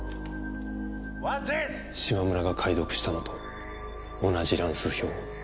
嶋村が解読したのと同じ乱数表を。